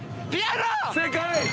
正解！